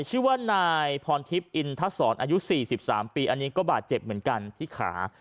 ชื่อว่านายพรทิพย์อินทศรอายุ๔๓ปีอันนี้ก็บาดเจ็บเหมือนกันที่ขา